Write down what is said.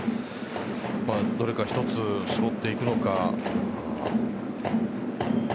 どれか１つ絞っていくのか。